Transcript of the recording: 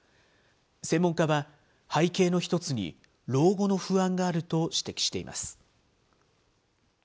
専門家は、背景の１つに老後の不安があると指摘しています。